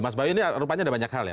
mas bayu ini rupanya ada banyak hal ya